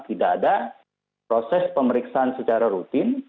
tidak ada proses pemeriksaan secara rutin